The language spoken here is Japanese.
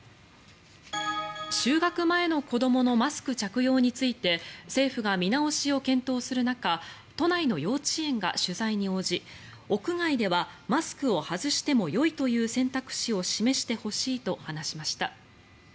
就学前の子どものマスク着用について政府が見直しを検討する中都内の幼稚園が取材に応じ屋外ではマスクを外してもよいという選択肢を示してほしいと話しました。